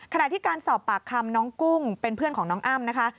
ขณะที่การสอบปากคำน้องกุ้งเป็นเพื่อนของน้องอ้ำนะคะ